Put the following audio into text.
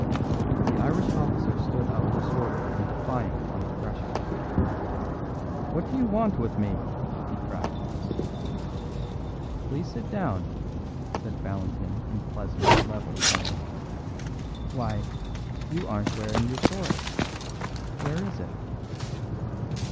The Irish officer stood up disordered and defiant on the threshold. "What do you want with me?" he cried. "Please sit down," said Valentin in pleasant, level tones. "Why, you aren't wearing your sword. Where is it?"